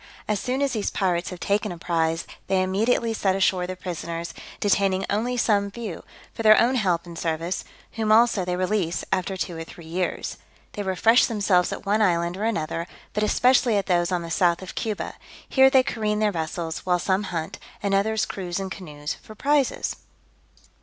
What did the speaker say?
As soon as these pirates have taken a prize, they immediately set ashore the prisoners, detaining only some few, for their own help and service: whom, also, they release, after two or three years. They refresh themselves at one island or another, but especially at those on the south of Cuba; here they careen their vessels, while some hunt, and others cruise in canoes for prizes.